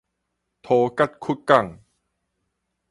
塗葛窟港